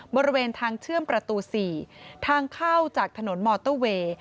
บริเวณทางเชื่อมประตู๔ทางเข้าจากถนนมอเตอร์เวย์